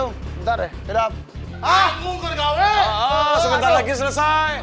sebentar lagi selesai